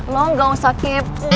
lo gak usah kipu